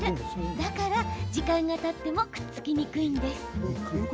だから、時間がたってもくっつきにくいんです。